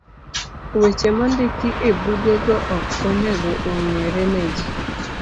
Weche mondiki ebugego ok onego ong'ere ne ji